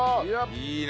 いいね。